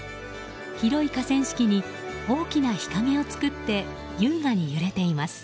広い河川敷に大きな日陰を作って優雅に揺れています。